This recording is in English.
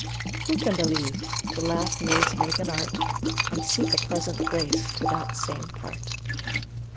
Who can believe? to laugh maids make an art, And seek a pleasant grace to that same part.